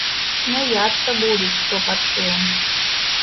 Смяяцца будуць, хто пачуе.